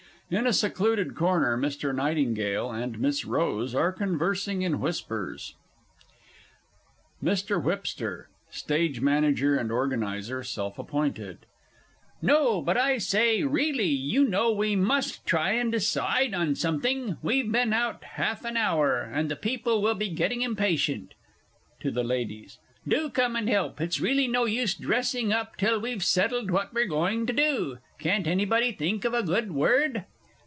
_ In a secluded corner, MR. NIGHTINGALE and MISS ROSE are conversing in whispers. MR. WHIPSTER (Stage Manager and Organizer self appointed). No but I say, really, you know, we must try and decide on something we've been out half an hour, and the people will be getting impatient! (To the Ladies.) Do come and help; it's really no use dressing up till we've settled what we're going to do. Can't anybody think of a good Word?